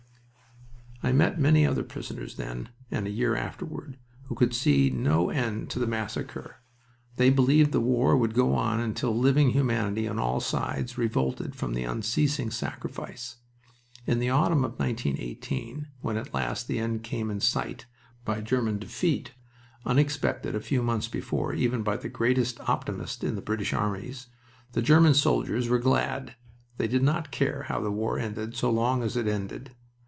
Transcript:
I met many other prisoners then and a year afterward who could see no end of the massacre. They believed the war would go on until living humanity on all sides revolted from the unceasing sacrifice. In the autumn of 1918, when at last the end came in sight, by German defeat, unexpected a few months before even by the greatest optimist in the British armies, the German soldiers were glad. They did not care how the war ended so long as it ended.